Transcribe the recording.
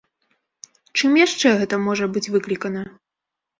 Чым яшчэ гэта можа быць выклікана?